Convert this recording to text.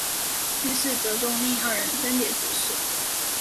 于是德宗令二人分别主事。